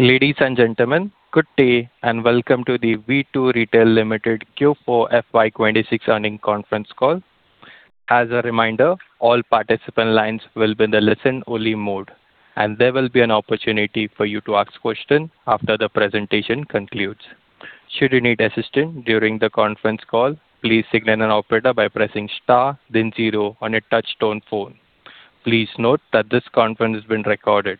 Ladies and gentlemen, good day and welcome to the V2 Retail Limited Q4 FY 2026 earnings conference call. As a reminder, all participant lines will be in the listen-only mode and there will be an opportunity for you to ask questions after the presentation concludes. Should you need assistance during the conference call, please signal an operator by pressing star then zero on a touch-tone phone. Please note that this conference is being recorded.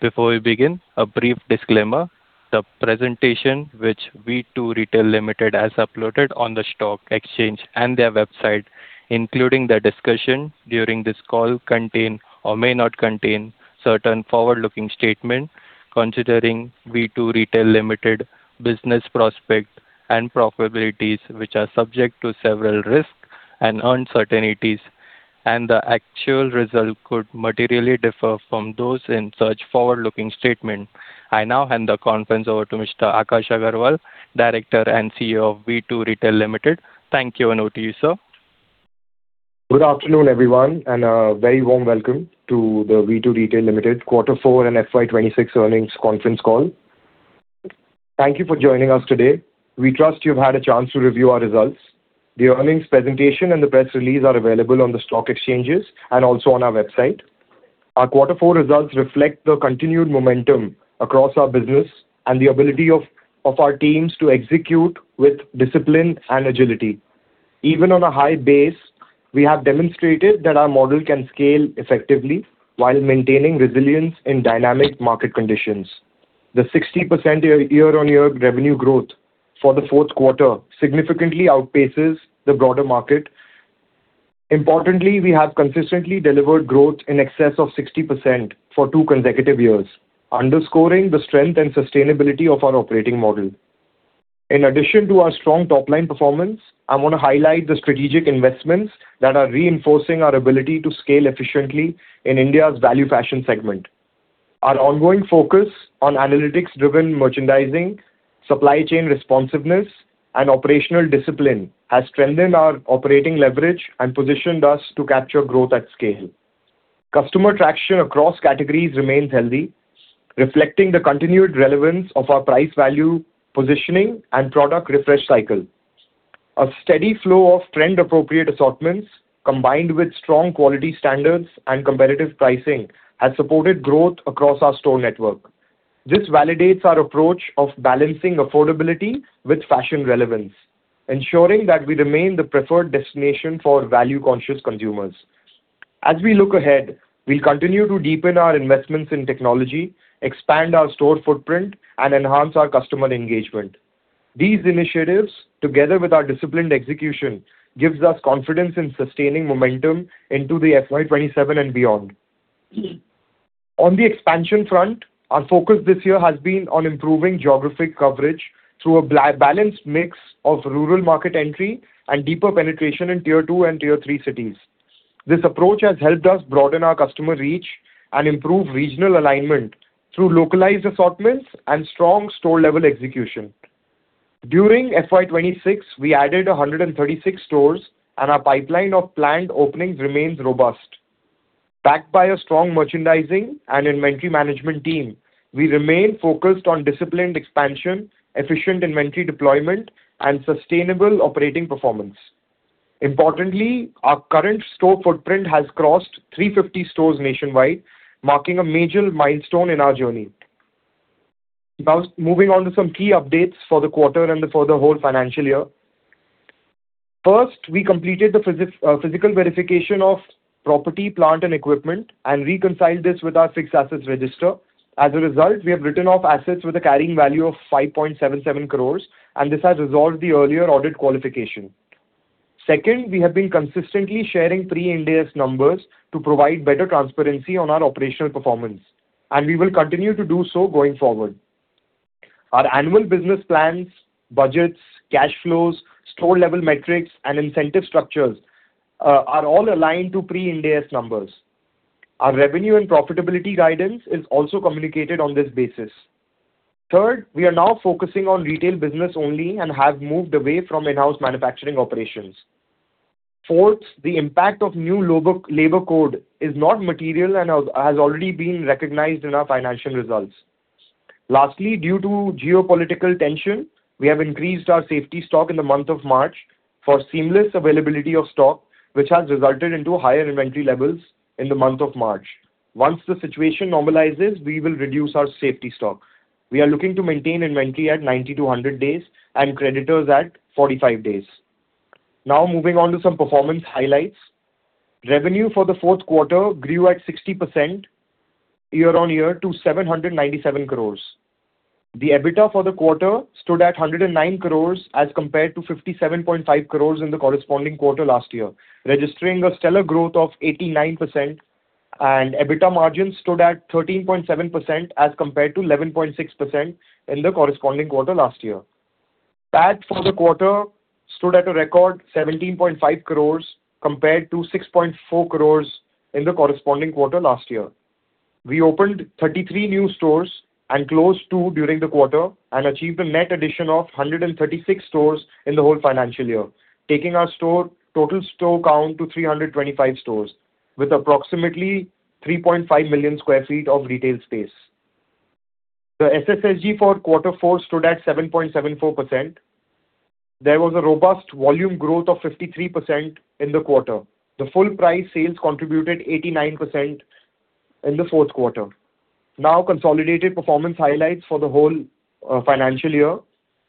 Before we begin, a brief disclaimer. The presentation, which V2 Retail Limited has uploaded on the stock exchange and their website, including the discussion during this call, contain or may not contain certain forward-looking statements considering V2 Retail Limited business prospects and probabilities, which are subject to several risks and uncertainties, and the actual results could materially differ from those in such forward-looking statement. I now hand the conference over to Mr. Akash Agarwal, Director and CEO of V2 Retail Limited. Thank you and over to you, sir. Good afternoon, everyone, and a very warm welcome to the V2 Retail Limited quarter four and FY 2026 earnings conference call. Thank you for joining us today. We trust you've had a chance to review our results. The earnings presentation and the press release are available on the stock exchanges and also on our website. Our quarter four results reflect the continued momentum across our business and the ability of our teams to execute with discipline and agility. Even on a high base, we have demonstrated that our model can scale effectively while maintaining resilience in dynamic market conditions. The 60% year-on-year revenue growth for the fourth quarter significantly outpaces the broader market. Importantly, we have consistently delivered growth in excess of 60% for two consecutive years, underscoring the strength and sustainability of our operating model. In addition to our strong top-line performance, I want to highlight the strategic investments that are reinforcing our ability to scale efficiently in India's value fashion segment. Our ongoing focus on analytics-driven merchandising, supply chain responsiveness, and operational discipline has strengthened our operating leverage and positioned us to capture growth at scale. Customer traction across categories remains healthy, reflecting the continued relevance of our price-value positioning and product refresh cycle. A steady flow of trend-appropriate assortments, combined with strong quality standards and competitive pricing, has supported growth across our store network. This validates our approach of balancing affordability with fashion relevance, ensuring that we remain the preferred destination for value-conscious consumers. As we look ahead, we'll continue to deepen our investments in technology, expand our store footprint, and enhance our customer engagement. These initiatives, together with our disciplined execution, gives us confidence in sustaining momentum into the FY 2027 and beyond. On the expansion front, our focus this year has been on improving geographic coverage through a balanced mix of rural market entry and deeper penetration in Tier 2 and Tier 3 cities. This approach has helped us broaden our customer reach and improve regional alignment through localized assortments and strong store-level execution. During FY 2026, we added 136 stores and our pipeline of planned openings remains robust. Backed by a strong merchandising and inventory management team, we remain focused on disciplined expansion, efficient inventory deployment, and sustainable operating performance. Importantly, our current store footprint has crossed 350 stores nationwide, marking a major milestone in our journey. Now, moving on to some key updates for the quarter and for the whole financial year. First, we completed the physical verification of property, plant, and equipment and reconciled this with our fixed assets register. As a result, we have written off assets with a carrying value of 5.77 crores and this has resolved the earlier audit qualification. Second, we have been consistently sharing pre-Ind AS numbers to provide better transparency on our operational performance and we will continue to do so going forward. Our annual business plans, budgets, cash flows, store-level metrics and incentive structures are all aligned to pre-Ind AS numbers. Our revenue and profitability guidance is also communicated on this basis. Third, we are now focusing on retail business only and have moved away from in-house manufacturing operations. Fourth, the impact of new labor code is not material and has already been recognized in our financial results. Lastly, due to geopolitical tension, we have increased our safety stock in the month of March for seamless availability of stock which has resulted into higher inventory levels in the month of March. Once the situation normalizes, we will reduce our safety stock. We are looking to maintain inventory at 90-100 days and creditors at 45 days. Moving on to some performance highlights. Revenue for the fourth quarter grew at 60% year-on-year to 797 crores. The EBITDA for the quarter stood at 109 crores as compared to 57.5 crores in the corresponding quarter last year, registering a stellar growth of 89%. EBITDA margin stood at 13.7% as compared to 11.6% in the corresponding quarter last year. PAT for the quarter stood at a record 17.5 crores compared to 6.4 crores in the corresponding quarter last year. We opened 33 new stores and closed two during the quarter and achieved a net addition of 136 stores in the whole financial year, taking our total store count to 325 stores with approximately 3.5 million sq ft of retail space. The SSSG for quarter four stood at 7.74%. There was a robust volume growth of 53% in the quarter. The full-price sales contributed 89% in the fourth quarter. Now consolidated performance highlights for the whole financial year.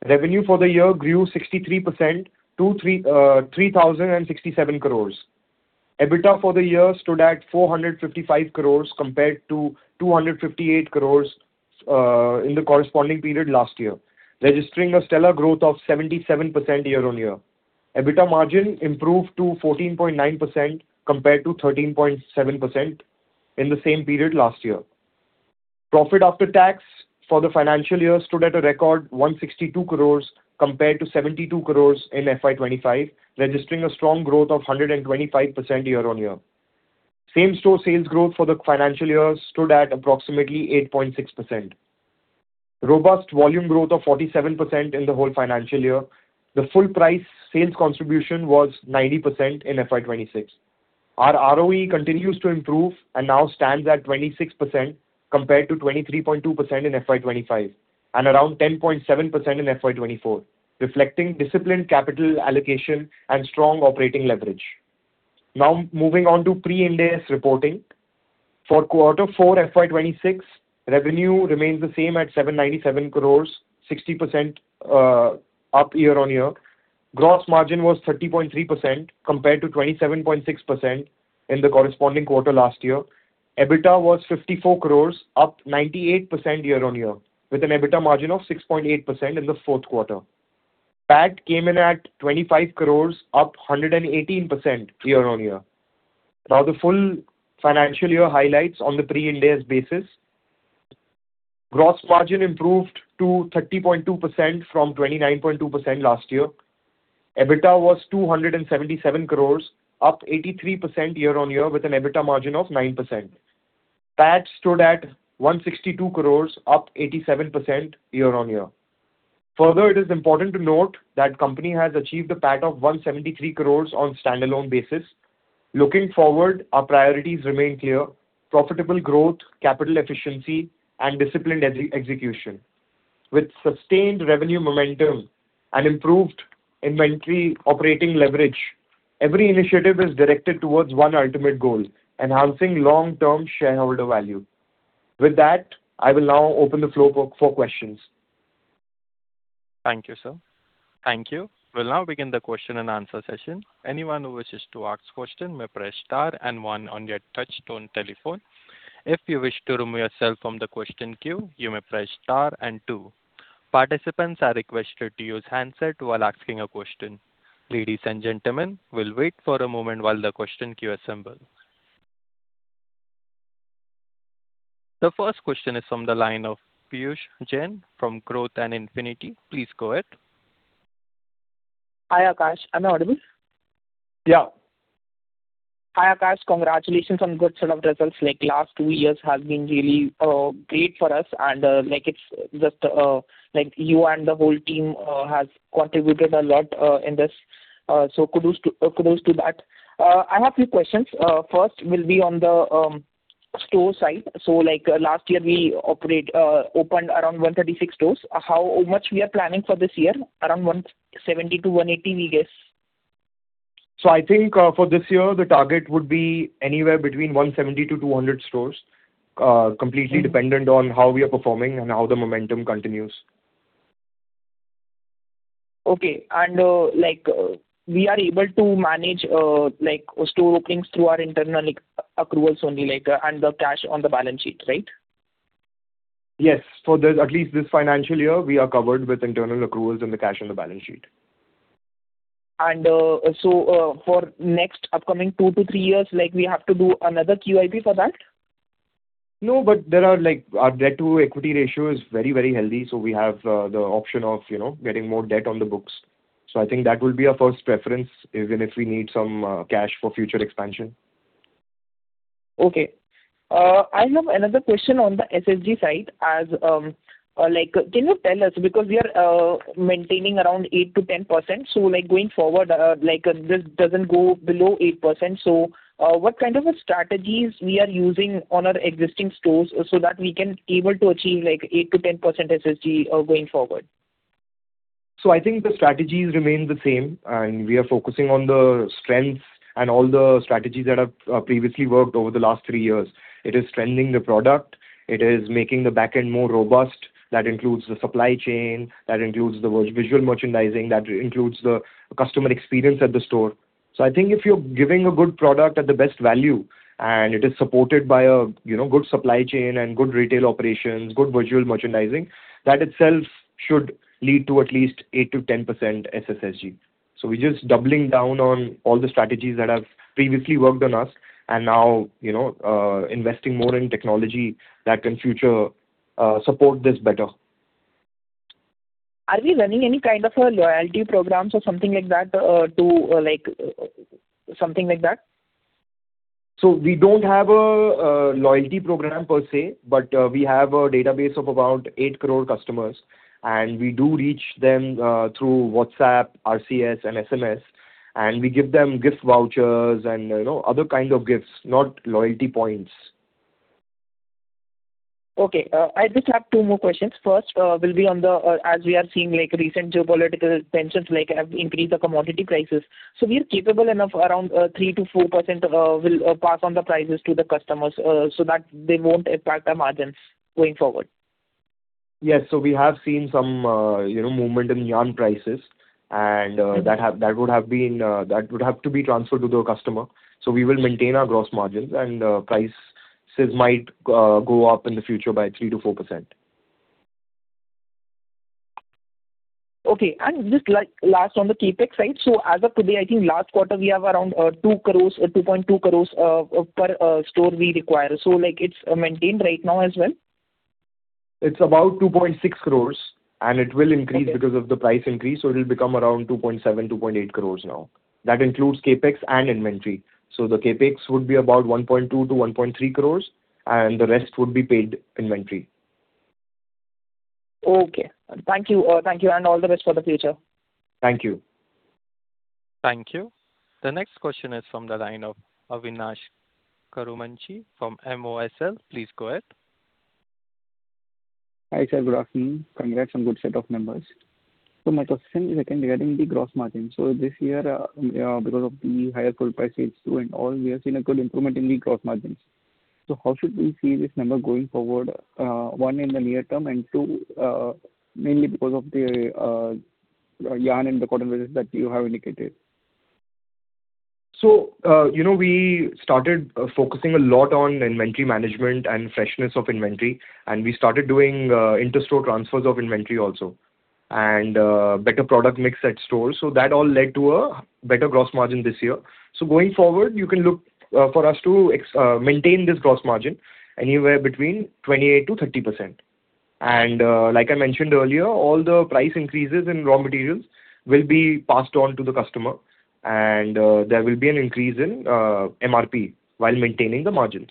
Revenue for the year grew 63% to 3,067 crores. EBITDA for the year stood at 455 crores compared to 258 crores in the corresponding period last year, registering a stellar growth of 77% year-on-year. EBITDA margin improved to 14.9% compared to 13.7% in the same period last year. Profit after tax for the financial year stood at a record 162 crores compared to 72 crores in FY 2025, registering a strong growth of 125% year-on-year. Same-store sales growth for the financial year stood at approximately 8.6%. Robust volume growth of 47% in the whole financial year. The full-price sales contribution was 90% in FY 2026. Our ROE continues to improve and now stands at 26% compared to 23.2% in FY 2025, and around 10.7% in FY 2024, reflecting disciplined capital allocation and strong operating leverage. Moving on to pre-Ind AS reporting. For quarter four, FY 2026, revenue remains the same at 797 crores, 60% up year-on-year. Gross margin was 30.3% compared to 27.6% in the corresponding quarter last year. EBITDA was 54 crores, up 98% year-on-year, with an EBITDA margin of 6.8% in the fourth quarter. PAT came in at 25 crores, up 118% year-on-year. The full financial year highlights on the pre-Ind AS basis. Gross margin improved to 30.2% from 29.2% last year. EBITDA was 277 crores, up 83% year-on-year, with an EBITDA margin of 9%. PAT stood at 162 crores, up 87% year-on-year. It is important to note that company has achieved a PAT of 173 crores on standalone basis. Looking forward, our priorities remain clear: profitable growth, capital efficiency and disciplined execution. With sustained revenue momentum and improved inventory operating leverage, every initiative is directed towards one ultimate goal, enhancing long-term shareholder value. With that, I will now open the floor for questions. Thank you, sir. Thank you. We'll now begin the question and answer session. Anyone who wishes to ask question may press star and one on your touch tone telephone. If you wish to remove yourself from the question queue, you may press star and two. Participants are requested to use handset while asking a question. Ladies and gentlemen, we’ll wait for a moment while the question queue assembles. The first question is from the line of Piyush Jain from Growth and Infinity. Please go ahead. Hi, Akash. Am I audible? Yeah. Hi, Akash. Congratulations on good set of results. Last two years has been really great for us, and you and the whole team has contributed a lot in this. Kudos to that. I have few questions. First will be on the store side. Last year we opened around 136 stores. How much we are planning for this year? Around 170-180, we guess. I think for this year, the target would be anywhere between 170-200 stores. Completely dependent on how we are performing and how the momentum continues. Okay. We are able to manage store openings through our internal accruals only, and the cash on the balance sheet, right? Yes. For at least this financial year, we are covered with internal accruals and the cash on the balance sheet. For next upcoming two to three years, we have to do another QIP for that? Our debt to equity ratio is very healthy, so we have the option of getting more debt on the books. I think that will be our first preference, even if we need some cash for future expansion. Okay. I have another question on the SSG side. Can you tell us, because we are maintaining around 8%-10%, so going forward, this doesn't go below 8%, so what kind of a strategies we are using on our existing stores so that we can able to achieve 8%-10% SSG going forward? I think the strategies remain the same, and we are focusing on the strengths and all the strategies that have previously worked over the last three years. It is strengthening the product. It is making the back end more robust. That includes the supply chain, that includes the visual merchandising, that includes the customer experience at the store. I think if you're giving a good product at the best value, and it is supported by a good supply chain and good retail operations, good visual merchandising, that itself should lead to at least 8%-10% SSSG. We're just doubling down on all the strategies that have previously worked on us, and now investing more in technology that can future support this better. Are we running any kind of a loyalty programs or something like that? We don't have a loyalty program per se, but we have a database of about 800 million customers, and we do reach them through WhatsApp, RCS and SMS, and we give them gift vouchers and other kind of gifts, not loyalty points. Okay. I just have two more questions. First will be on the, as we are seeing recent geopolitical tensions have increased the commodity prices. We are capable enough, around 3%-4% will pass on the prices to the customers so that they won't impact our margins going forward. Yes. We have seen some movement in yarn prices, and that would have to be transferred to the customer. We will maintain our gross margins, and prices might go up in the future by 3%-4%. Okay. Just last on the CapEx side. As of today, I think last quarter, we have around 2 crores-2.2 crores per store we require. It's maintained right now as well? It's about 2.6 crores. It will increase because of the price increase. It'll become around 2.7 crores-2.8 crores now. That includes CapEx and inventory. The CapEx would be about 1.2 crores-1.3 crores. The rest would be paid inventory. Okay. Thank you. Thank you, and all the best for the future. Thank you. Thank you. The next question is from the line of Avinash Karumanchi from MOSL. Please go ahead. Hi, sir. Good afternoon. Congrats on good set of numbers. My question is regarding the gross margin. This year, because of the higher full prices too and all, we have seen a good improvement in the gross margins. How should we see this number going forward, one, in the near term, and two, mainly because of the yarn and the cotton business that you have indicated? We started focusing a lot on inventory management and freshness of inventory, we started doing interstore transfers of inventory also, better product mix at stores. That all led to a better gross margin this year. Going forward, you can look for us to maintain this gross margin anywhere between 28%-30%. Like I mentioned earlier, all the price increases in raw materials will be passed on to the customer, and there will be an increase in MRP while maintaining the margins.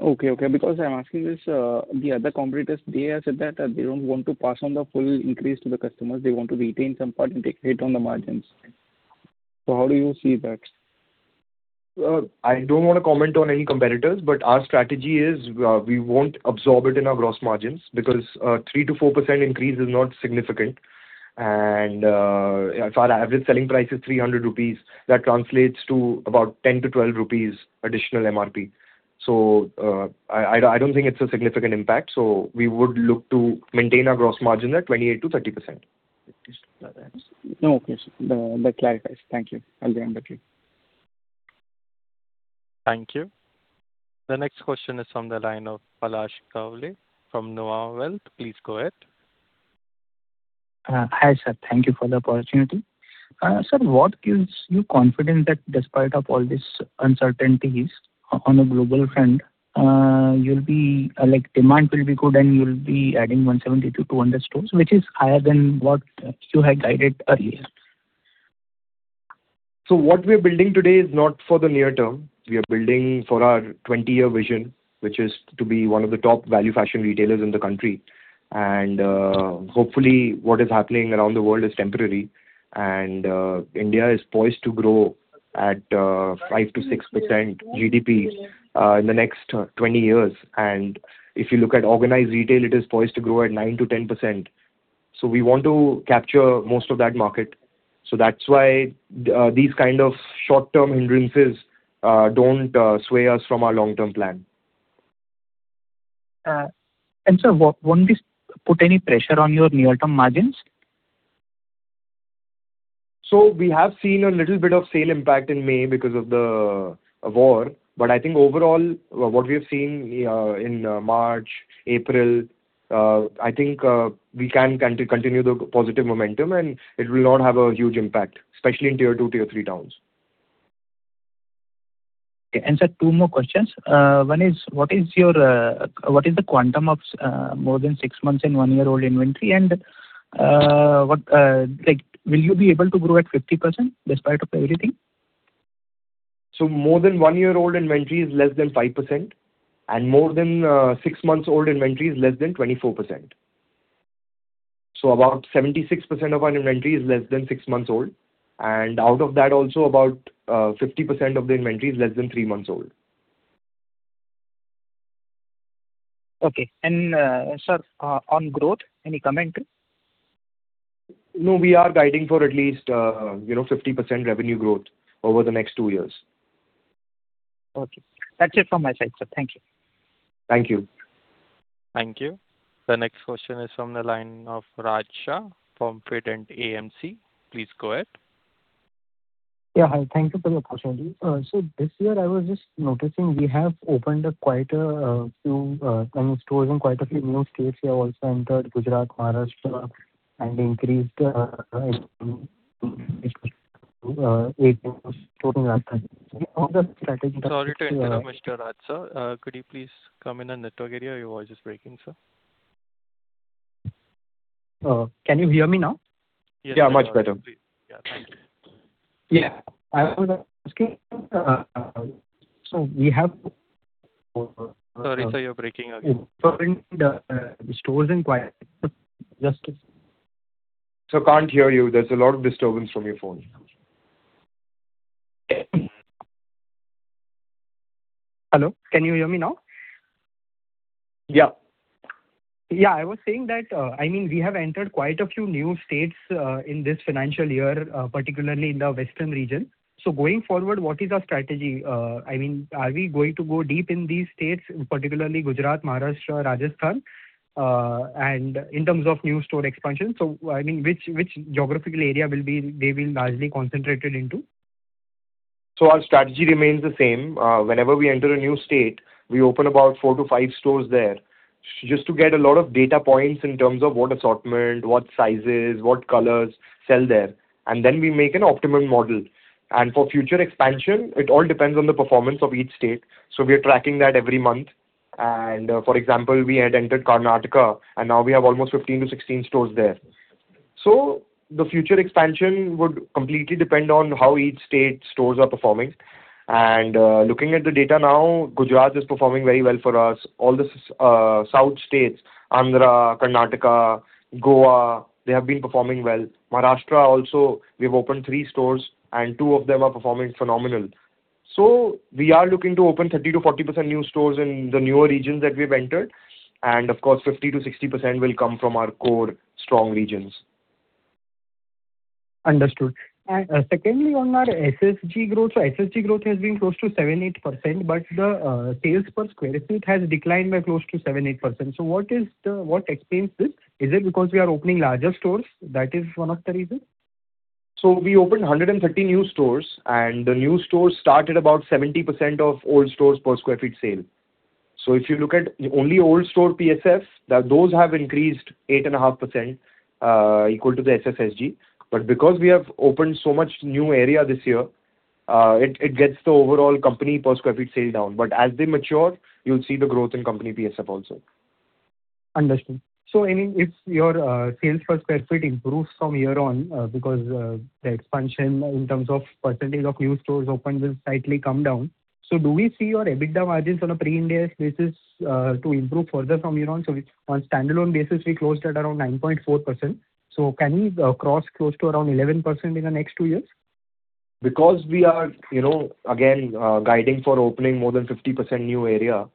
Okay. Because I'm asking this, the other competitors, they have said that they don't want to pass on the full increase to the customers. They want to retain some part and take a hit on the margins. How do you see that? I don't want to comment on any competitors, but our strategy is, we won't absorb it in our gross margins because a 3%-4% increase is not significant. If our average selling price is 300 rupees, that translates to about 10-12 rupees additional MRP. I don't think it's a significant impact. We would look to maintain our gross margin at 28%-30%. Okay, sir. That clarifies. Thank you. I'll be on the queue. Thank you. The next question is from the line of Palash Kawale from Nuvama Wealth. Please go ahead. Hi, sir. Thank you for the opportunity. Sir, what gives you confidence that despite of all these uncertainties on a global front, demand will be good and you'll be adding 170-200 stores, which is higher than what you had guided earlier? What we are building today is not for the near term. We are building for our 20-year vision, which is to be one of the top value fashion retailers in the country. Hopefully, what is happening around the world is temporary. India is poised to grow at 5%-6% GDP in the next 20 years. If you look at organized retail, it is poised to grow at 9%-10%. We want to capture most of that market. That's why these kind of short-term hindrances don't sway us from our long-term plan. Sir, won't this put any pressure on your near-term margins? We have seen a little bit of sale impact in May because of the war. I think overall, what we have seen in March, April, I think we can continue the positive momentum, and it will not have a huge impact, especially in Tier 2, Tier 3 towns. Okay. Sir, two more questions. One is, what is the quantum of more than six months and one-year-old inventory? Will you be able to grow at 50% despite of everything? More than one-year-old inventory is less than 5%, and more than six months old inventory is less than 24%. About 76% of our inventory is less than six months old. Out of that also, about 50% of the inventory is less than three months old. Okay. Sir, on growth, any comment? No. We are guiding for at least 50% revenue growth over the next two years. Okay. That's it from my side, sir. Thank you. Thank you. Thank you. The next question is from the line of Raj Shah from Fident AMC. Please go ahead. Yeah. Hi. Thank you for the opportunity. This year, I was just noticing we have opened up quite a few stores in quite a few new states. You have also entered Gujarat, Maharashtra, and increased Sorry to interrupt, Mr. Raj, sir. Could you please come in a network area? Your voice is breaking, sir. Can you hear me now? Yeah, much better. Yeah. Thank you. Yeah. I was asking, sir, we have- Sorry, sir, you're breaking again.... stores in quite- Sir, can't hear you. There's a lot of disturbance from your phone. Hello. Can you hear me now? Yeah. Yeah, I was saying that, we have entered quite a few new states in this financial year, particularly in the western region. Going forward, what is our strategy? Are we going to go deep in these states, particularly Gujarat, Maharashtra, Rajasthan, in terms of new store expansion? Which geographical area will they be largely concentrated into? Our strategy remains the same. Whenever we enter a new state, we open about four to five stores there just to get a lot of data points in terms of what assortment, what sizes, what colors sell there, and then we make an optimum model. For future expansion, it all depends on the performance of each state. We are tracking that every month. For example, we had entered Karnataka, and now we have almost 15-16 stores there. The future expansion would completely depend on how each state stores are performing. Looking at the data now, Gujarat is performing very well for us. All the south states, Andhra, Karnataka, Goa, they have been performing well. Maharashtra also, we've opened three stores, and two of them are performing phenomenal. We are looking to open 30%-40% new stores in the newer regions that we've entered. Of course, 50%-60% will come from our core strong regions. Understood. Secondly, on our SSG growth. SSG growth has been close to 7%-8%, but the sales per square feet has declined by close to 7%-8%. What explains this? Is it because we are opening larger stores, that is one of the reason? We opened 130 new stores, and the new stores start at about 70% of old stores per square feet sale. If you look at only old-store PSF, those have increased 8.5%, equal to the SSG. Because we have opened so much new area this year, it gets the overall company per square feet sale down. As they mature, you'll see the growth in company PSF also. Understood. If your sales per square feet improves from here on because the expansion in terms of percentage of new stores opened will slightly come down. Do we see your EBITDA margins on a pre-Ind AS basis to improve further from here on? On standalone basis, we closed at around 9.4%. Can we cross close to around 11% in the next two years? We are, again, guiding for opening more than 50% new area,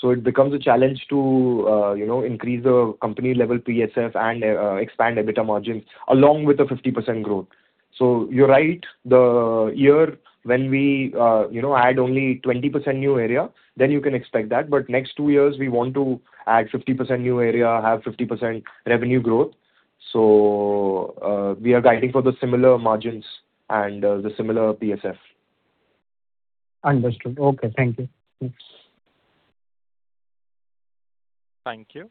so it becomes a challenge to increase the company-level PSF and expand EBITDA margins along with the 50% growth. You're right. The year when we add only 20% new area, then you can expect that. Next two years, we want to add 50% new area, have 50% revenue growth. We are guiding for the similar margins and the similar PSF. Understood. Okay. Thank you. Thanks. Thank you.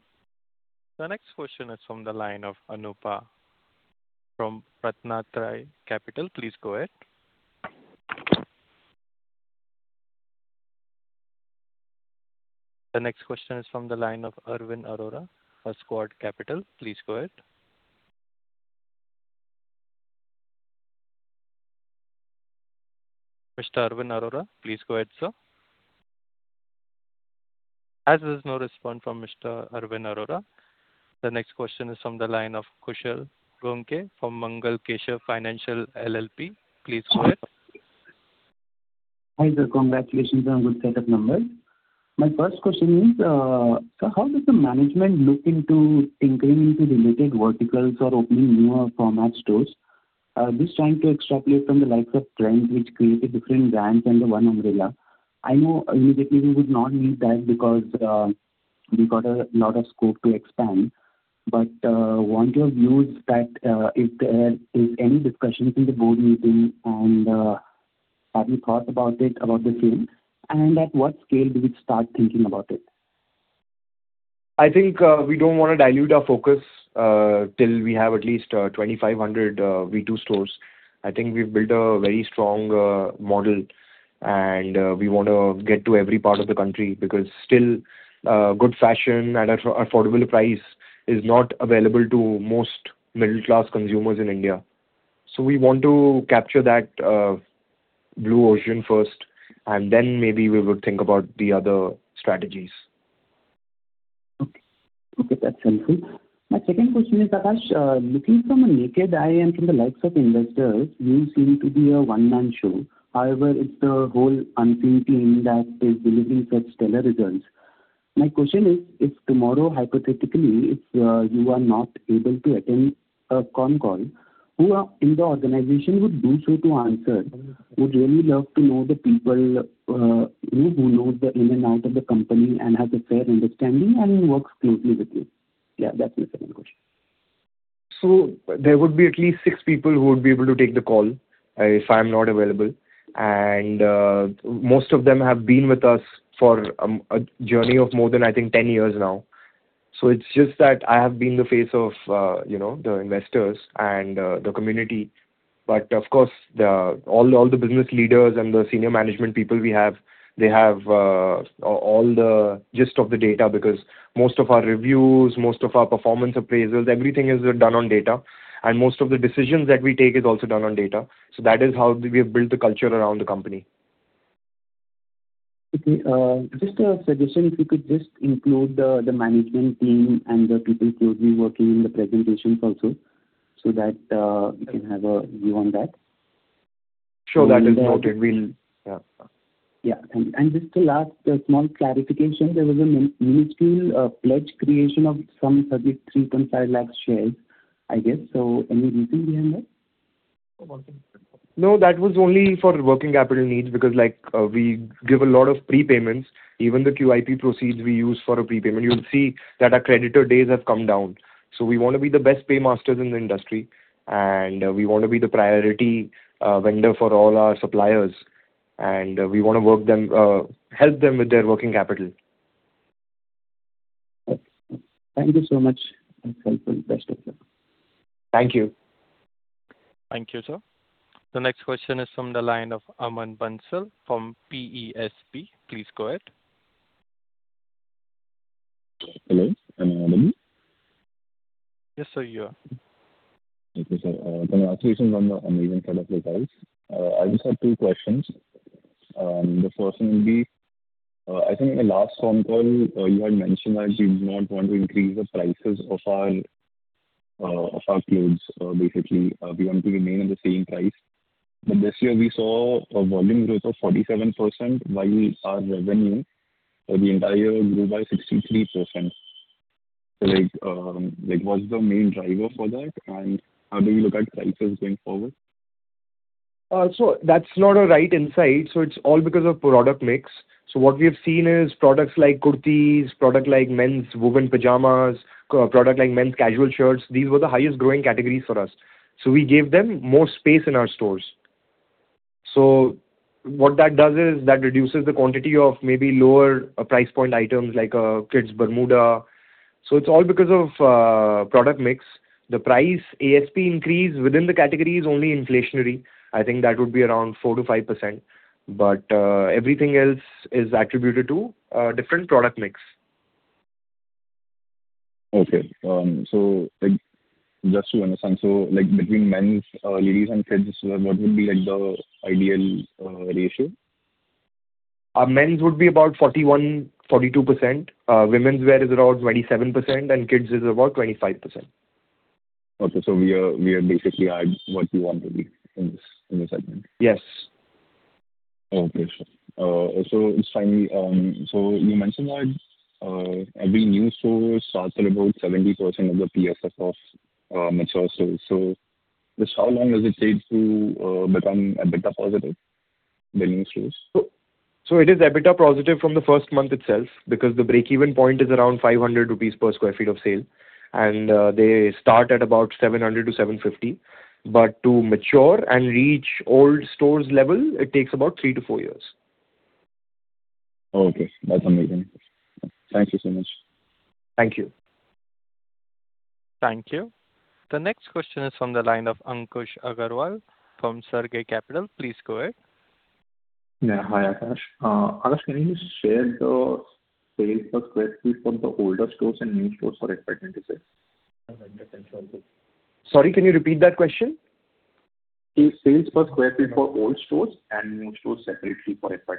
The next question is from the line of [Anupa] from RatnaTraya Capital. Please go ahead. The next question is from the line of Arvind Arora, [ASquare Capital]. Please go ahead. Mr. Arvind Arora, please go ahead, sir. As there's no response from Mr. Arvind Arora, the next question is from the line of Kushal Goenka from Mangal Keshav Financial LLP. Please go ahead. Hi there. Congratulations on good set of numbers. My first question is, sir, how does the management look into tinkering into related verticals or opening newer format stores? Just trying to extrapolate from the likes of Trends, which created different brands under one umbrella. I know immediately we would not need that because we got a lot of scope to expand. But want your views that if there is any discussion in the board meeting and have you thought about it, about the same, and at what scale do we start thinking about it? I think we don't want to dilute our focus until we have at least 2,500 V2 stores. I think we've built a very strong model, and we want to get to every part of the country because still, good fashion at affordable price is not available to most middle-class consumers in India. We want to capture that blue ocean first, and then maybe we would think about the other strategies. Okay. That's helpful. My second question is, Akash, looking from a naked eye and from the likes of investors, you seem to be a one-man show. However, it's the whole unseen team that is delivering such stellar results. My question is, if tomorrow, hypothetically, if you are not able to attend a con call, who are in the organization would do so to answer? Would really love to know the people who knows the in and out of the company and has a fair understanding and works closely with you. Yeah, that's my second question. There would be at least six people who would be able to take the call if I'm not available. Most of them have been with us for a journey of more than, I think, 10 years now. It's just that I have been the face of the investors and the community. Of course, all the business leaders and the senior management people we have, they have all the gist of the data because most of our reviews, most of our performance appraisals, everything is done on data, and most of the decisions that we take is also done on data. That is how we have built the culture around the company. Okay. Just a suggestion, if you could just include the management team and the people closely working in the presentations also so that we can have a view on that. Sure. That is noted. Yeah. Just the last small clarification, there was a minuscule pledge creation of some 3.5 lakh shares, I guess. Any reason behind that? No, that was only for working capital needs, because we give a lot of prepayments. Even the QIP proceeds we use for a prepayment. You'll see that our creditor days have come down. We want to be the best paymasters in the industry, and we want to be the priority vendor for all our suppliers, and we want to help them with their working capital. Thank you so much. Best of luck. Thank you. Thank you, sir. The next question is from the line of Aman Bansal from PESP. Please go ahead. Hello, am I audible? Yes, sir, you are. Okay, sir. Congratulations on the amazing set of results. I just have two questions. The first will be, I think in the last con call, you had mentioned that you did not want to increase the prices of our clothes. Basically, we want to remain at the same price. This year we saw a volume growth of 47% while our revenue for the entire grew by 63%. Like, what's the main driver for that, and how do you look at prices going forward? That's not a right insight. It's all because of product mix. What we have seen is products like kurtis, product like men's woven pajamas, product like men's casual shirts, these were the highest growing categories for us. We gave them more space in our stores. What that does is that reduces the quantity of maybe lower price point items like kids' Bermuda. It's all because of product mix. The price ASP increase within the category is only inflationary. I think that would be around 4%-5%, but everything else is attributed to different product mix. Okay. Just to understand, so between men's, ladies and kids, what would be the ideal ratio? Men's would be about 41%-42%. Women's wear is around 27%, kids is about 25%. Okay. We are basically at what you want to be in this segment. Yes. Okay, sure. Finally, you mentioned that every new store starts at about 70% of the PSF of mature stores. Just how long does it take to become EBITDA positive? The new stores. It is EBITDA positive from the first month itself because the break-even point is around 500 rupees per square feet of sale, and they start at about 700-750. To mature and reach old stores level, it takes about three to four years. Okay. That's amazing. Thank you so much. Thank you. Thank you. The next question is from the line of Ankush Agrawal from Surge Capital. Please go ahead. Yeah. Hi, Akash. Akash, can you just share the sales per square feet for the older stores and new stores for FY 2026? Sorry, can you repeat that question? Sales per square feet for old stores and new stores separately for FY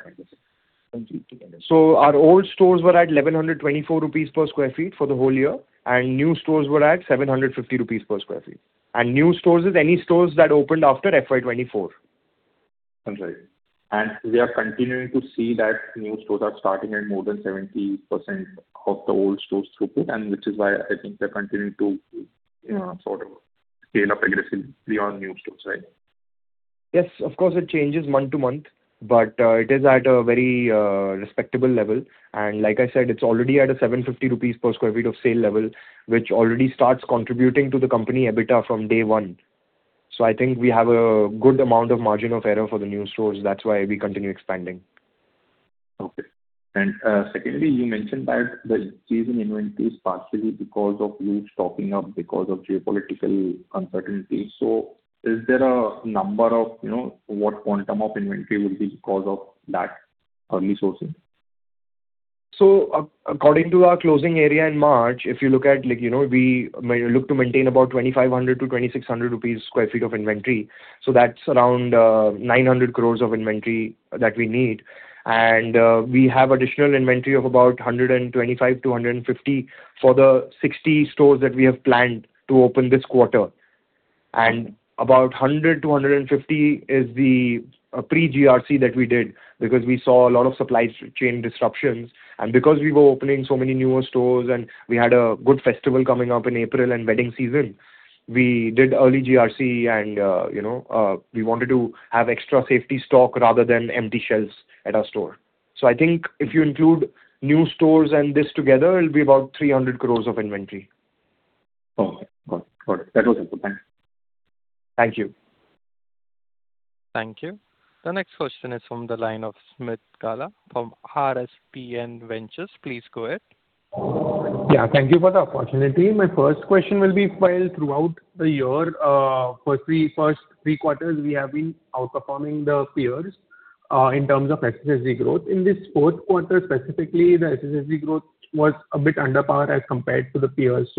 2026. Our old stores were at 1,124 rupees per square feet for the whole year, and new stores were at 750 rupees per square feet. New stores is any stores that opened after FY 2024. We are continuing to see that new stores are starting at more than 70% of the old stores throughput, and which is why I think they're continuing to sort of scale up aggressively on new stores, right? Yes, of course, it changes month-to-month, it is at a very respectable level. Like I said, it's already at an 750 rupees per square feet of sale level, which already starts contributing to the company EBITDA from day one. I think we have a good amount of margin of error for the new stores. That's why we continue expanding. Okay. Secondly, you mentioned that the increase in inventory is partially because of you stocking up because of geopolitical uncertainty. Is there a number of what quantum of inventory will be because of that early sourcing? According to our closing area in March, we look to maintain about 2,500-2,600 rupees sq ft of inventory. That's around 900 crore of inventory that we need. We have additional inventory of about 125-150 for the 60 stores that we have planned to open this quarter. About 100-150 is the pre-GRC that we did because we saw a lot of supply chain disruptions. Because we were opening so many newer stores and we had a good festival coming up in April and wedding season, we did early GRC and we wanted to have extra safety stock rather than empty shelves at our store. I think if you include new stores and this together, it'll be about 300 crores of inventory. Okay, got it. That was it for me. Thanks. Thank you. Thank you. The next question is from the line of Smith Gala from RSPN Ventures. Please go ahead. Yeah, thank you for the opportunity. My first question will be, while throughout the year, for the first three quarters, we have been outperforming the peers, in terms of SSG growth. In this fourth quarter, specifically, the SSG growth was a bit under par as compared to the peers.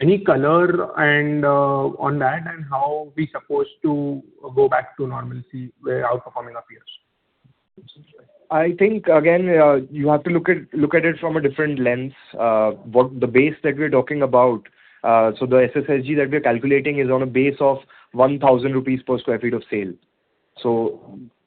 Any color on that and how are we supposed to go back to normalcy where outperforming our peers? I think, again, you have to look at it from a different lens. The base that we're talking about, so the SSSG that we are calculating is on a base of 1,000 rupees per square feet of sale.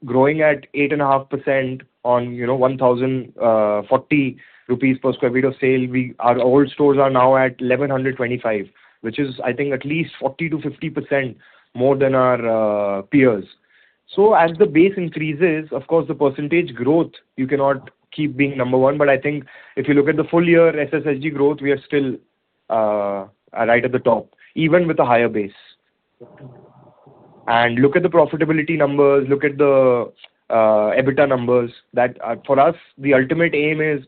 Growing at 8.5% on 1,040 rupees per square feet of sale, our old stores are now at 1,125 per square feet of sale, which is, I think, at least 40%-50% more than our peers. As the base increases, of course, the percentage growth, you cannot keep being number one. I think if you look at the full year SSSG growth, we are still right at the top, even with a higher base. Look at the profitability numbers, look at the EBITDA numbers. For us, the ultimate aim is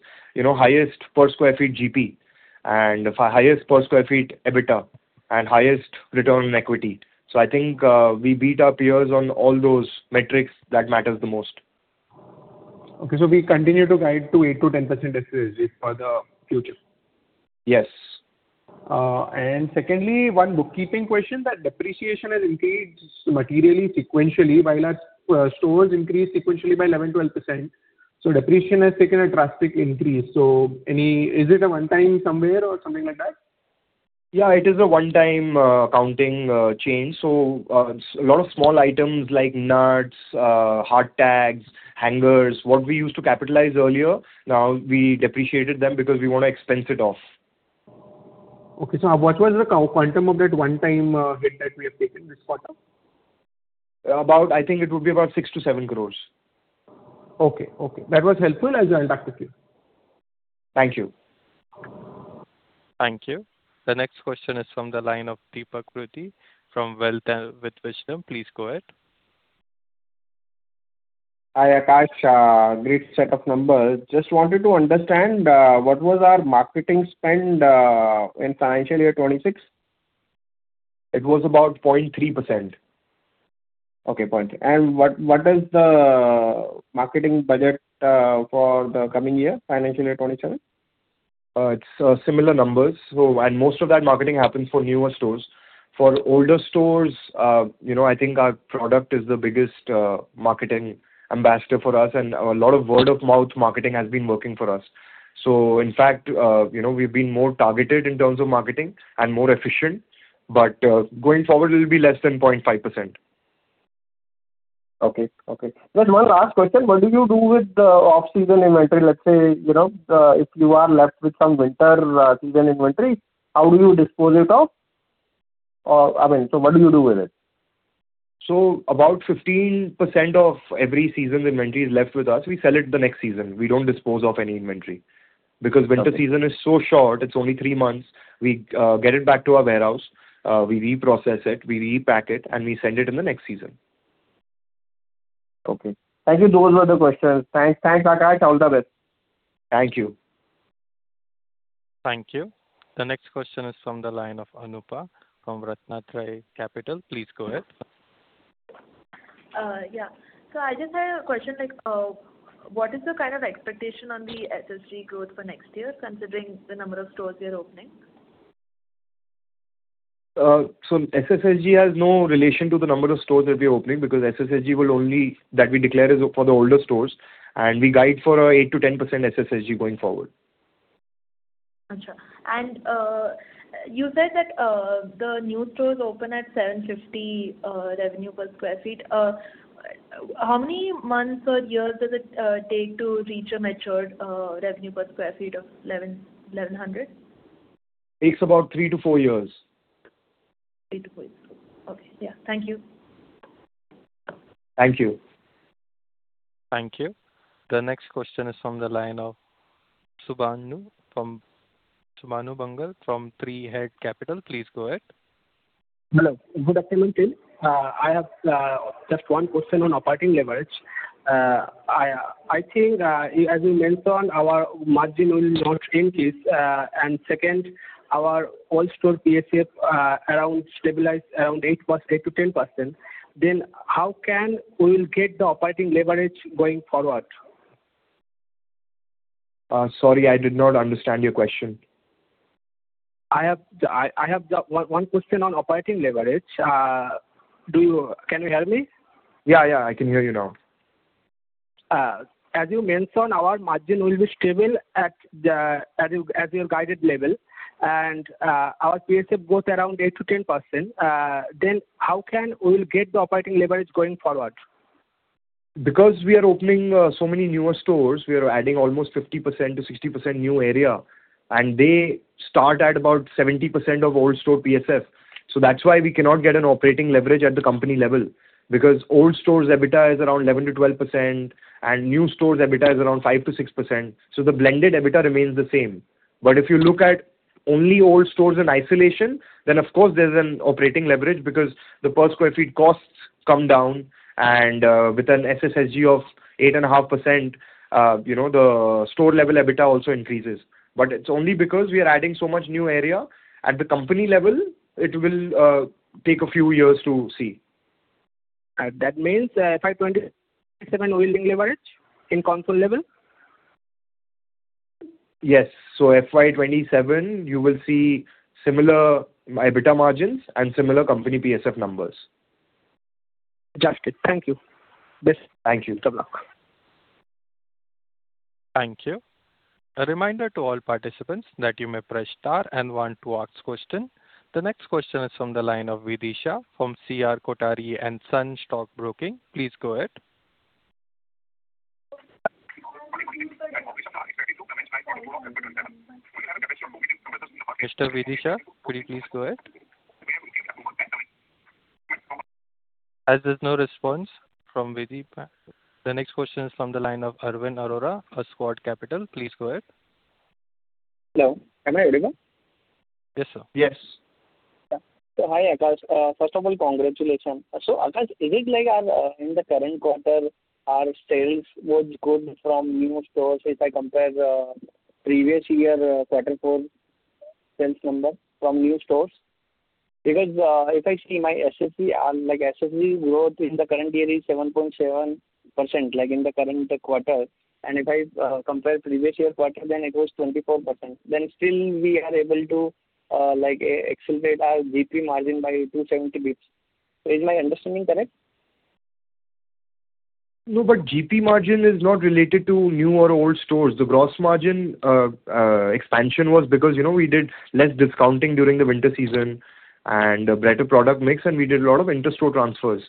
highest per square feet GP and highest per square feet EBITDA and highest return on equity. I think we beat our peers on all those metrics that matters the most. Okay. We continue to guide to 8%-10% SSSG for the future? Yes. Secondly, one bookkeeping question, that depreciation has increased materially, sequentially, while our stores increased sequentially by 11%-12%. Depreciation has taken a drastic increase. Is it a one-time somewhere or something like that? Yeah, it is a one-time accounting change. A lot of small items like nuts, hard tags, hangers, what we used to capitalize earlier, now we depreciated them because we want to expense it off. Okay. What was the quantum of that one-time hit that we have taken this quarter? I think it would be about 6 crores-7 crores. Okay. That was helpful. I'll talk to you. Thank you. Thank you. The next question is from the line of [Deepak Ruti] from Wealth with Wisdom. Please go ahead. Hi, Akash. Great set of numbers. Just wanted to understand, what was our marketing spend in financial year 2026? It was about 0.3%. Okay, 0.3. What is the marketing budget for the coming year, FY 2027? It's similar numbers. Most of that marketing happens for newer stores. For older stores, I think our product is the biggest marketing ambassador for us and a lot of word-of-mouth marketing has been working for us. In fact, we've been more targeted in terms of marketing and more efficient, but going forward, it'll be less than 0.5%. Okay. One last question. What do you do with the off-season inventory? Let's say, if you are left with some winter season inventory, how do you dispose it off? What do you do with it? About 15% of every season inventory is left with us. We sell it the next season. We don't dispose off any inventory because winter season is so short, it's only three months. We get it back to our warehouse, we reprocess it, we repack it, and we send it in the next season. Okay. Thank you. Those were the questions. Thanks, Akash. All the best. Thank you. Thank you. The next question is from the line of [Anupa] from RatnaTraya Capital. Please go ahead. Yeah. I just had a question, what is the kind of expectation on the SSSG growth for next year, considering the number of stores we are opening? SSSG has no relation to the number of stores that we're opening because SSSG that we declare is for the older stores, and we guide for 8%-10% SSSG going forward. You said that the new stores open at 750 revenue per square feet. How many months or years does it take to reach a mature revenue per square feet of 1,100? Takes about three to four years. Three to four years. Okay. Yeah. Thank you. Thank you. Thank you. The next question is from the line of Subhanu Bangal from [3 Head Capital]. Please go ahead. Hello. Good afternoon, team. I have just one question on operating leverage. I think, as you mentioned, our margin will not increase. Second, our old store PSF stabilized around 8%-10%. How can we get the operating leverage going forward? Sorry, I did not understand your question. I have one question on operating leverage. Can you hear me? Yeah, I can hear you now. As you mentioned, our margin will be stable at your guided level and our PSF growth around 8%-10%. How can we get the operating leverage going forward? We are opening so many newer stores, we are adding almost 50%-60% new area, and they start at about 70% of old store PSF. That's why we cannot get an operating leverage at the company level, because old stores' EBITDA is around 11%-12%, and new stores' EBITDA is around 5%-6%. The blended EBITDA remains the same. If you look at only old stores in isolation, then of course there's an operating leverage because the per square feet costs come down, and with an SSSG of 8.5%, the store level EBITDA also increases. It's only because we are adding so much new area. At the company level, it will take a few years to see. That means FY 2027 will be leverage in consolidated level? Yes. FY 2027, you will see similar EBITDA margins and similar company PSF numbers. Got it. Thank you. Yes. Thank you. Good luck. Thank you. A reminder to all participants that you may press star and one to ask question. The next question is from the line of Vidisha from C. R. Kothari & Sons Stock Broking. Please go ahead. Mr. Vidisha, could you please go ahead? As there's no response from Vidisha, the next question is from the line of Arvind Arora, [ASquare Capital]. Please go ahead. Hello, am I audible? Yes, sir. Yes. Hi, Akash. First of all, congratulations. Akash, is it like in the current quarter, our sales was good from new stores if I compare previous year quarter four sales number from new stores? If I see my SSSG, like SSSG growth in the current year is 7.7% like in the current quarter. If I compare previous year quarter, it was 24%. Still we are able to accelerate our GP margin by 270 basis points. Is my understanding correct? No, GP margin is not related to new or old stores. The gross margin expansion was because we did less discounting during the winter season and a better product mix, and we did a lot of interstore transfers.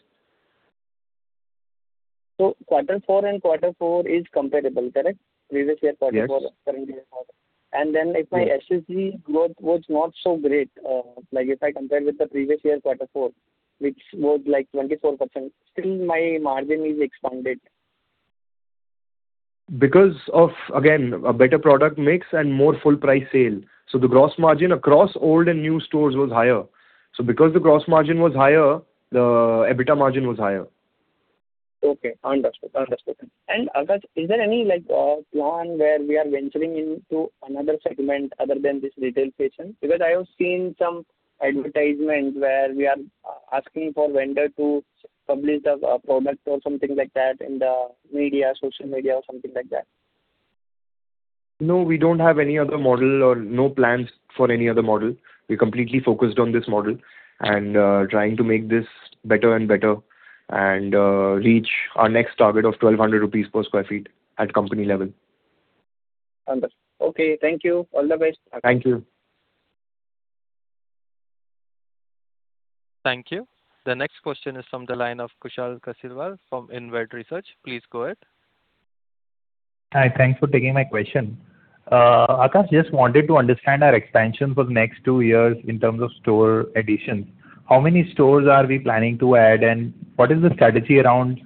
Quarter four and quarter four is comparable, correct? Yes. Previous year quarter four, current year quarter. If my SSG growth was not so great, like if I compare with the previous year quarter four, which was like 24%, still my margin is expanded. Because of, again, a better product mix and more full price sale. The gross margin across old and new stores was higher. Because the gross margin was higher, the EBITDA margin was higher. Okay. Understood. Akash, is there any plan where we are venturing into another segment other than this retail fashion? I have seen some advertisements where we are asking for vendor to publish a product or something like that in the media, social media, or something like that. We don't have any other model or no plans for any other model. We're completely focused on this model and trying to make this better and better and reach our next target of 1,200 rupees per square feet at company level. Understood. Okay. Thank you. All the best. Thank you. Thank you. The next question is from the line of Kushal Kasliwal from InVed Research. Please go ahead. Hi. Thanks for taking my question. Akash, just wanted to understand our expansion for next two years in terms of store addition. How many stores are we planning to add? What is the strategy around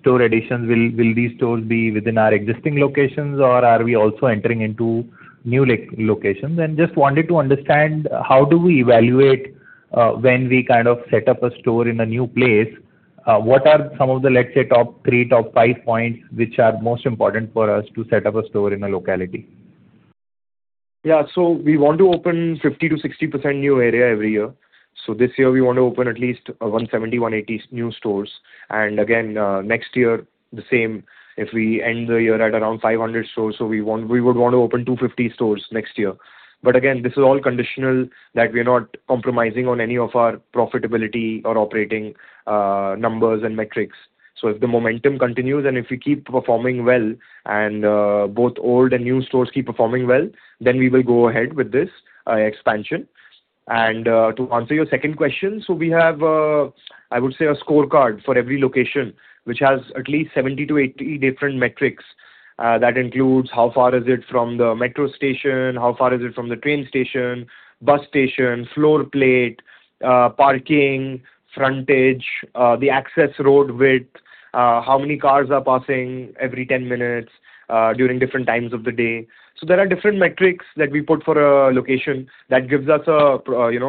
store additions? Will these stores be within our existing locations or are we also entering into new locations? Just wanted to understand, how do we evaluate when we set up a store in a new place? What are some of the, let's say, top three, top five points which are most important for us to set up a store in a locality? Yeah. We want to open 50%-60% new area every year. This year we want to open at least 170-180 new stores. Again, next year, the same, if we end the year at around 500 stores, so we would want to open 250 stores next year. Again, this is all conditional that we're not compromising on any of our profitability or operating numbers and metrics. If the momentum continues and if we keep performing well and both old and new stores keep performing well, then we will go ahead with this expansion. To answer your second question, so we have, I would say, a scorecard for every location, which has at least 70-80 different metrics. That includes how far is it from the metro station, how far is it from the train station, bus station, floor plate, parking, frontage, the access road width, how many cars are passing every 10 minutes during different times of the day. There are different metrics that we put for a location that gives us a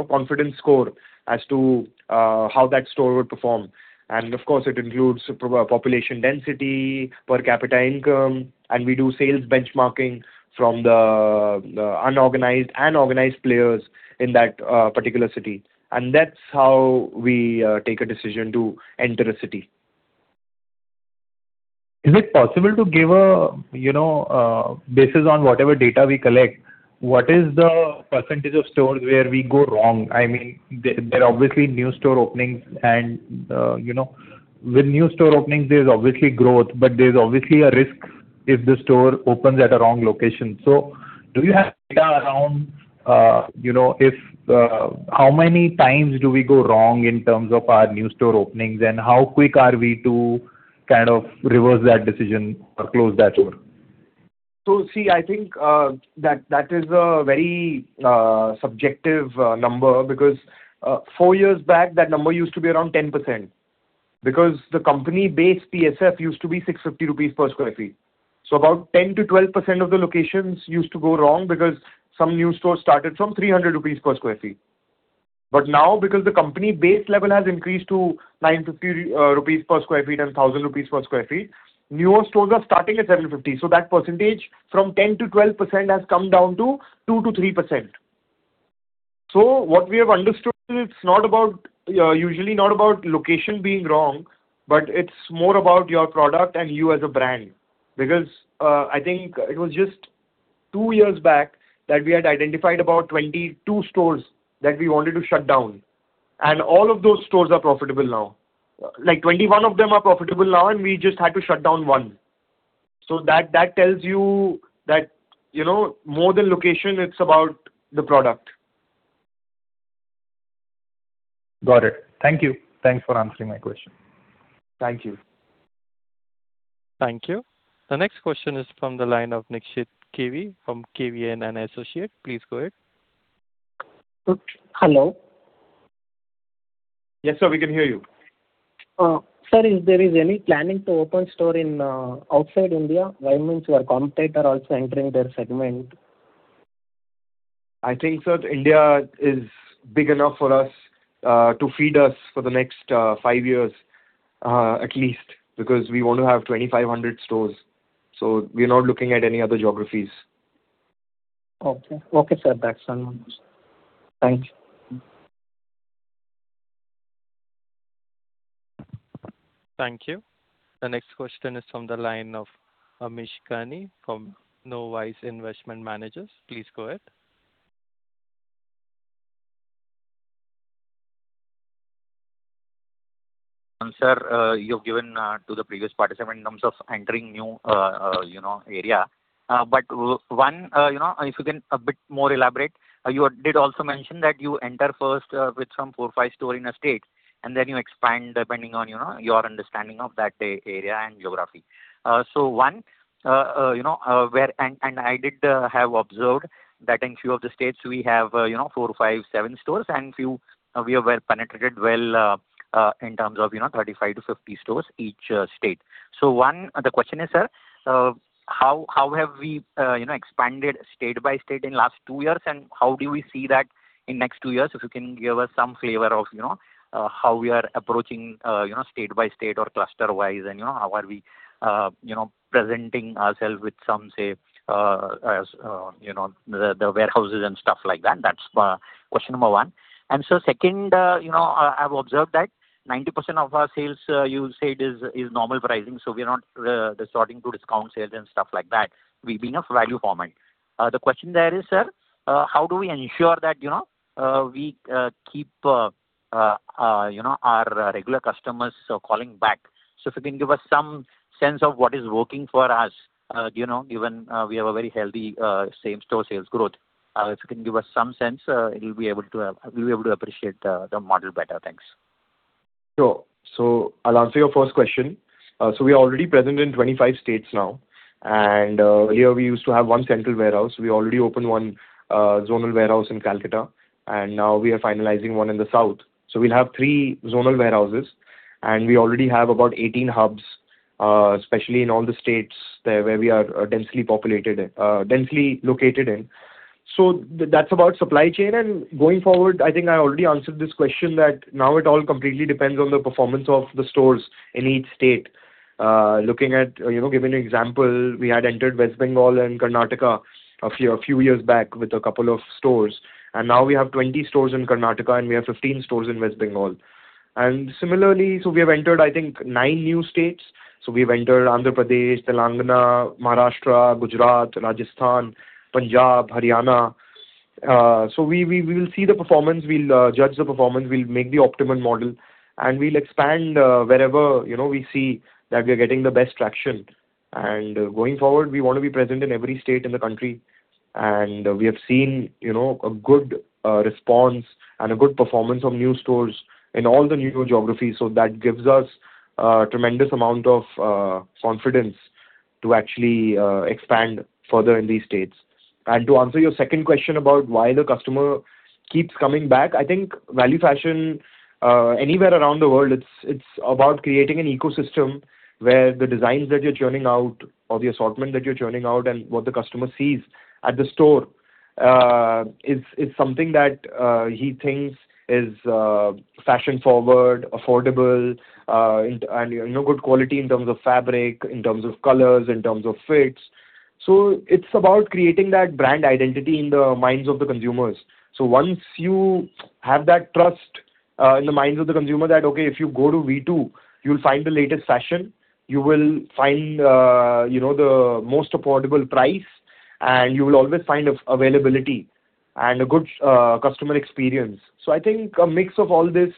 confidence score as to how that store would perform. Of course, it includes population density, per capita income, and we do sales benchmarking from the unorganized and organized players in that particular city. That's how we take a decision to enter a city. Is it possible to give a basis on whatever data we collect? What is the % of stores where we go wrong? I mean, there are obviously new store openings and with new store openings, there's obviously growth, but there's obviously a risk if the store opens at a wrong location. Do you have data around how many times do we go wrong in terms of our new store openings, and how quick are we to kind of reverse that decision or close that store? See, I think that is a very subjective number because four years back, that number used to be around 10%. The company base PSF used to be 650 rupees per square feet ft. About 10%-12% of the locations used to go wrong because some new stores started from 300 rupees per square feet. Now, because the company base level has increased to 950 rupees per square feet and 1,000 rupees per square feet, newer stores are starting at 750. That percentage from 10%-12% has come down to 2%-3%. What we have understood is it's usually not about location being wrong, but it's more about your product and you as a brand. I think it was just two years back that we had identified about 22 stores that we wanted to shut down, and all of those stores are profitable now. 21 of them are profitable now, and we just had to shut down one. That tells you that more than location, it's about the product. Got it. Thank you. Thanks for answering my question. Thank you. Thank you. The next question is from the line of [Nikshit Kiwi] from [Kiwi and Associate]. Please go ahead. Hello. Yes, sir, we can hear you. Sir, is there any planning to open store outside India? Why means your competitor also entering their segment. I think, sir, India is big enough for us to feed us for the next five years, at least, because we want to have 2,500 stores. We're not looking at any other geographies. Okay, sir. That's one answer. Thank you. Thank you. The next question is from the line of Amish Kanani from Knowise Investment Managers. Please go ahead. Sir, you've given to the previous participant in terms of entering new area. One, if you can a bit more elaborate, you did also mention that you enter first with some four or five stores in a state, and then you expand depending on your understanding of that area and geography. I did have observed that in few of the states, we have four, five, seven stores, and few we have well penetrated well in terms of 35-50 stores each state. The question is, sir, how have we expanded state by state in last two years, and how do we see that in next two years? If you can give us some flavor of how we are approaching state by state or cluster-wise, and how are we presenting ourselves with some, say, the warehouses and stuff like that. That's question number one. Sir, second, I've observed that 90% of our sales, you said, is normal pricing, so we're not resorting to discount sales and stuff like that. We've been a value format. The question there is, sir, how do we ensure that we keep our regular customers calling back? If you can give us some sense of what is working for us, given we have a very healthy same-store sales growth. If you can give us some sense, we'll be able to appreciate the model better. Thanks. Sure. I'll answer your first question. We are already present in 25 states now, and earlier we used to have one central warehouse. We already opened one zonal warehouse in Kolkata, and now we are finalizing one in the south. We'll have three zonal warehouses, and we already have about 18 hubs, especially in all the states where we are densely located in. That's about supply chain. Going forward, I think I already answered this question that now it all completely depends on the performance of the stores in each state. To give you an example, we had entered West Bengal and Karnataka a few years back with a couple of stores, and now we have 20 stores in Karnataka and we have 15 stores in West Bengal. Similarly, so we have entered, I think, nine new states. We've entered Andhra Pradesh, Telangana, Maharashtra, Gujarat, Rajasthan, Punjab, Haryana. We will see the performance, we'll judge the performance, we'll make the optimum model, and we'll expand wherever we see that we're getting the best traction. Going forward, we want to be present in every state in the country. We have seen a good response and a good performance of new stores in all the new geographies. That gives us a tremendous amount of confidence to actually expand further in these states. To answer your second question about why the customer keeps coming back, I think value fashion, anywhere around the world, it's about creating an ecosystem where the designs that you're churning out or the assortment that you're churning out and what the customer sees at the store, it's something that he thinks is fashion-forward, affordable, and good quality in terms of fabric, in terms of colors, in terms of fits. It's about creating that brand identity in the minds of the consumers. Once you have that trust in the minds of the consumer that, okay, if you go to V2, you'll find the latest fashion, you will find the most affordable price, and you will always find availability and a good customer experience. I think a mix of all this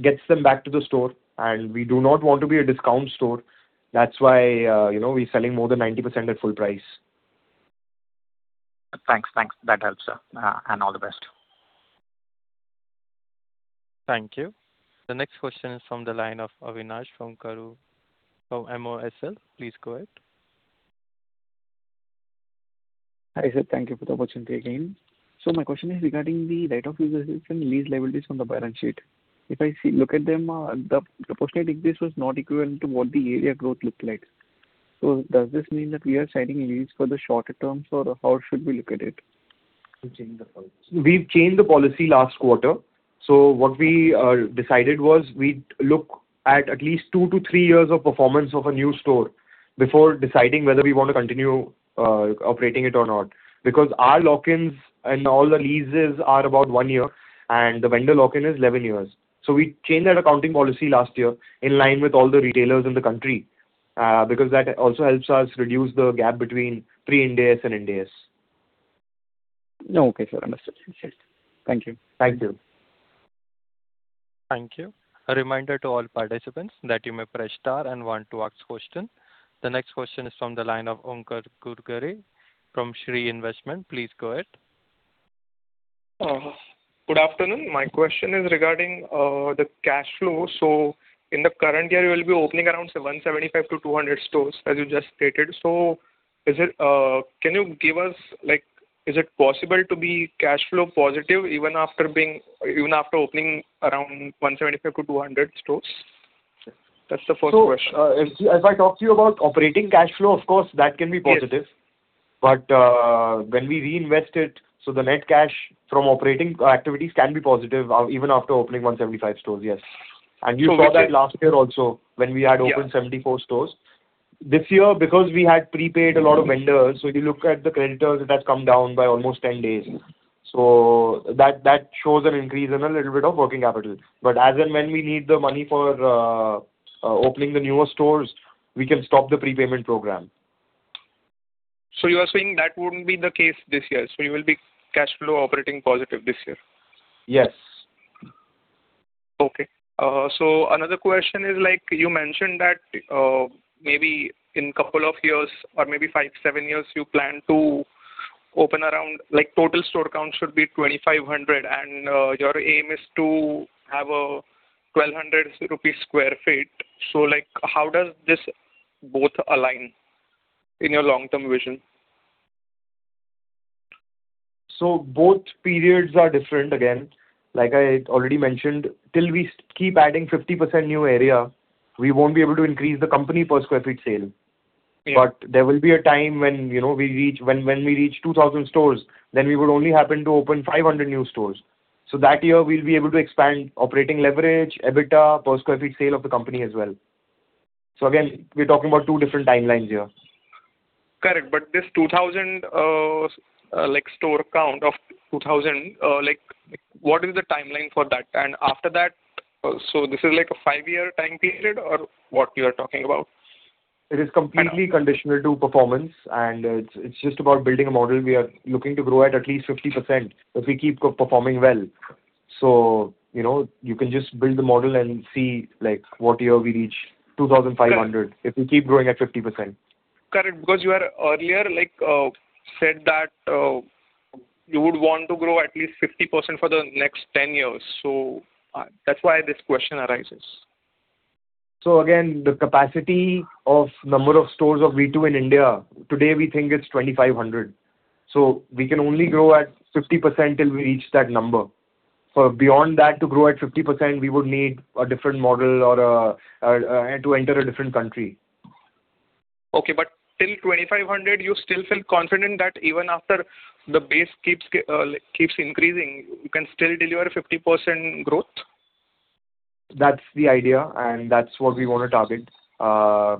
gets them back to the store, and we do not want to be a discount store. That's why we're selling more than 90% at full price. Thanks. That helps, sir. All the best. Thank you. The next question is from the line of Avinash from MOSL. Please go ahead. Hi, sir. Thank you for the opportunity again. My question is regarding the right-of-use lease liabilities on the balance sheet. If I look at them, the proportionate increase was not equivalent to what the area growth looked like. Does this mean that we are signing leases for the shorter terms, or how should we look at it? We've changed the policy last quarter. What we decided was we'd look at least two to three years of performance of a new store before deciding whether we want to continue operating it or not. Because our lock-ins and all the leases are about one year, and the vendor lock-in is 11 years. We changed that accounting policy last year in line with all the retailers in the country, because that also helps us reduce the gap between pre-Ind AS and Ind AS. Okay, sir. Understood. Thank you. Thank you. Thank you. A reminder to all participants that you may press star and one to ask question. The next question is from the line of Omkar Ghugardare from Shree Investment. Please go ahead. Good afternoon. My question is regarding the cash flow. In the current year, you will be opening around 175-200 stores, as you just stated. Is it possible to be cash flow positive even after opening around 175-200 stores? That's the first question. If I talk to you about operating cash flow, of course, that can be positive. Yes. When we reinvest it, the net cash from operating activities can be positive even after opening 175 stores, yes. You saw that last year also when we had opened 174 stores. This year, because we had prepaid a lot of vendors, if you look at the creditors, it has come down by almost 10 days. That shows an increase and a little bit of working capital. As and when we need the money for opening the newer stores, we can stop the prepayment program. You are saying that wouldn't be the case this year, so you will be cash flow operating positive this year? Yes. Okay. Another question is, you mentioned that maybe in couple of years or maybe five, seven years, you plan to open around, total store count should be 2,500 and your aim is to have a 1,200 rupees square feet. How does this both align in your long-term vision? Both periods are different, again. Like I already mentioned, till we keep adding 50% new area, we won't be able to increase the company per square feet sale. Yeah. There will be a time when we reach 2,000 stores, we would only happen to open 500 new stores. That year we'll be able to expand operating leverage, EBITDA per square feet sale of the company as well. Again, we're talking about two different timelines here. Correct. This 2,000 store count of 2,000, what is the timeline for that? After that, this is like a five-year time period or what you are talking about? It is completely conditional to performance and it's just about building a model. We are looking to grow at least 50% if we keep performing well. You can just build the model and see what year we reach 2,500- Correct if we keep growing at 50%. Correct, because you earlier said that you would want to grow at least 50% for the next 10 years. That's why this question arises. Again, the capacity of number of stores of V2 in India, today, we think it's 2,500. We can only grow at 50% till we reach that number. For beyond that, to grow at 50%, we would need a different model or to enter a different country. Okay. Till 2,500, you still feel confident that even after the base keeps increasing, you can still deliver 50% growth? That's the idea, and that's what we want to target,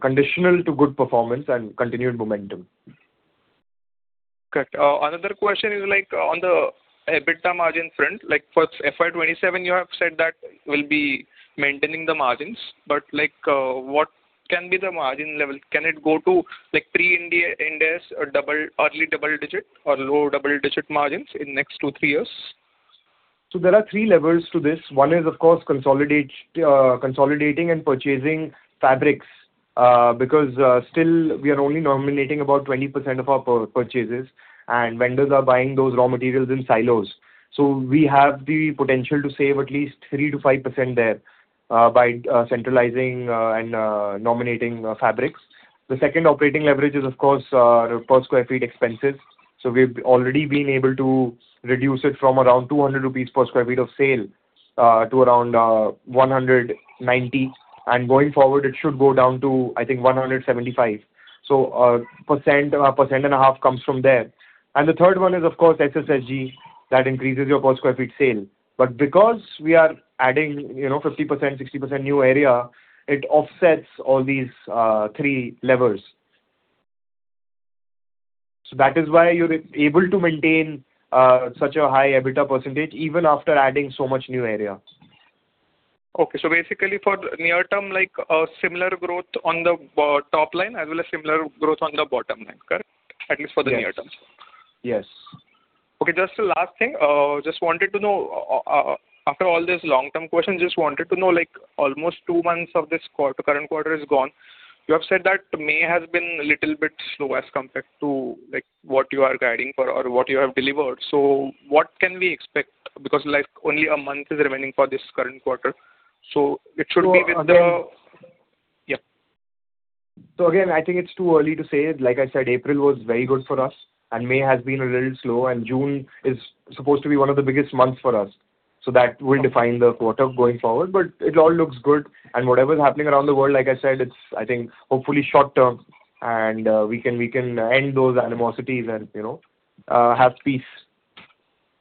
conditional to good performance and continued momentum. Correct. Another question is on the EBITDA margin front. For FY 2027, you have said that you will be maintaining the margins, but what can be the margin level? Can it go to pre-Ind AS early double-digit or low double-digit margins in next two to three years? There are three levers to this. One is, of course, consolidating and purchasing fabrics. Because still we are only nominating about 20% of our purchases, and vendors are buying those raw materials in silos. We have the potential to save at least 3%-5% there by centralizing and nominating fabrics. The second operating leverage is, of course, per square feet expenses. We've already been able to reduce it from around 200 rupees per square feet of sale to around 190. Going forward, it should go down to, I think, 175. 1%-1.5% comes from there. The third one is, of course, SSSG, that increases your per square feet sale. Because we are adding 50%-60% new area, it offsets all these three levers. That is why you're able to maintain such a high EBITDA percentage even after adding so much new area. Okay, basically for near term, similar growth on the top line as well as similar growth on the bottom line. Correct? At least for the near term. Yes. Okay. Just a last thing. After all these long-term questions, just wanted to know, almost two months of this current quarter is gone. You have said that May has been a little bit slow as compared to what you are guiding for or what you have delivered. What can we expect? Because only a month is remaining for this current quarter. So again- Yeah. Again, I think it's too early to say. Like I said, April was very good for us, and May has been a little slow and June is supposed to be one of the biggest months for us. That will define the quarter going forward, but it all looks good and whatever is happening around the world, like I said, it's I think hopefully short-term and we can end those animosities and have peace.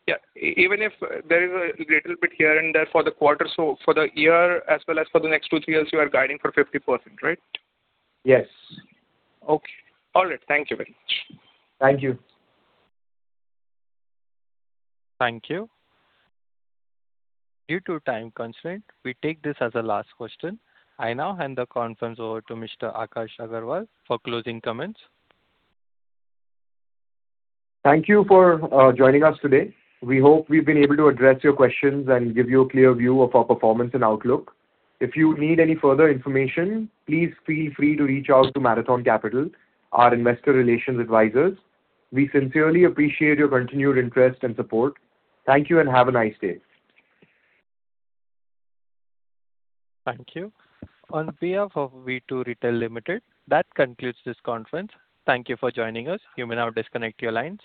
Yeah. Even if there is a little bit here and there for the quarter, so for the year as well as for the next two to three years, you are guiding for 50%, right? Yes. Okay. All right. Thank you very much. Thank you. Thank you. Due to time constraint, we take this as the last question. I now hand the conference over to Mr. Akash Agarwal for closing comments. Thank you for joining us today. We hope we've been able to address your questions and give you a clear view of our performance and outlook. If you need any further information, please feel free to reach out to Marathon Capital, our investor relations advisors. We sincerely appreciate your continued interest and support. Thank you and have a nice day. Thank you. On behalf of V2 Retail Limited, that concludes this conference. Thank you for joining us. You may now disconnect your lines.